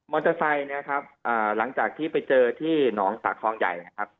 มอเตอร์ไซค์เนี่ยครับหลังจากที่ไปเจอที่น้องสาของใหญ่ครับ